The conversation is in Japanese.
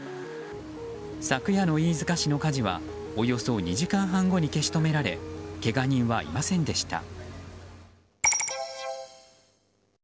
昨夜の飯塚市の火事はおよそ２時間半後に消し止められけが人はいませんでした。